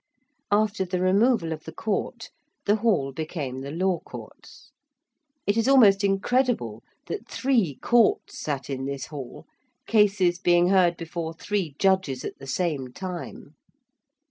After the removal of the Court the Hall became the Law Courts. It is almost incredible that three Courts sat in this Hall, cases being heard before three Judges at the same time.